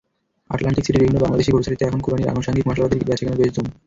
Atlantic সিটির বিভিন্ন বাংলাদেশি গ্রোসারিতে এখন কোরবানির আনুষঙ্গিক মসলাপাতির বেচাকেনার বেশ ধুম।